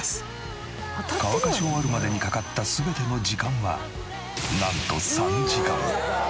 乾かし終わるまでにかかった全ての時間はなんと３時間。